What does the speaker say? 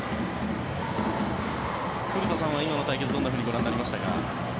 古田さんは今の対決どんなふうにご覧になりましたか。